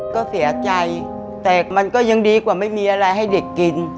ก็เสียใจแต่มันก็ยังดีกว่าไม่มีอะไรให้เด็กกิน